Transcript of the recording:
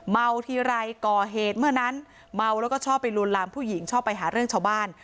เมาทีไรก่อเหตุเมื่อนั้นเมาแล้วก็ชอบไปลวนลามผู้หญิงชอบไปหาเรื่องชาวบ้าน